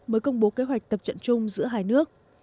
mới công bố kế hoạch tập trận chung giữa hai nước